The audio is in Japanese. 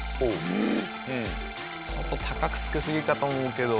ちょっと高くつけすぎたと思うけど。